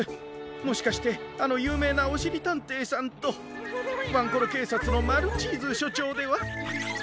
もしかしてあのゆうめいなおしりたんていさんとワンコロけいさつのマルチーズしょちょうでは？